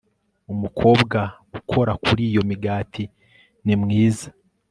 umukobwa ukora kuri iyo migati ni mwiza